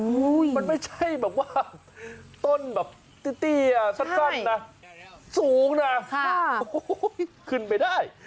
มันไม่ใช่แบบว่าต้นแบบเตี้ยสั้นนะสูงนะขึ้นไปได้